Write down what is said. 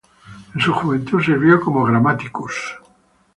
En su juventud sirvió como "grammaticus".